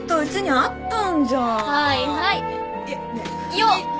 よっ！